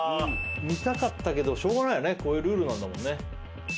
見たかったけどしょうがないよねこういうルールなんだもんね